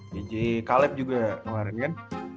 wg kaleb juga kemarin kan